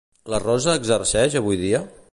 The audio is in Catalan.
La Rosa exerceix avui dia?